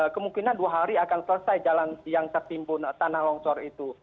kemungkinan dua hari akan selesai jalan yang tertimbun tanah longsor itu